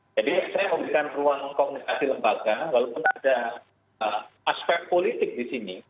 jadi saya mau berikan ruang komunikasi ke lembaga walaupun ada aspek politik di sini